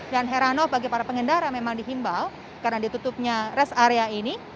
dan herano bagi para pengendara memang dihimbau karena ditutupnya rest area ini